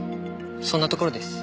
そんなところです。